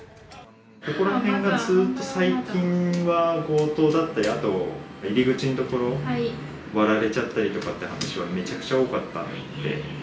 ここら辺がずっと最近は強盗だったり、あと入り口の所、割られちゃったりって話はめちゃくちゃ多かったので。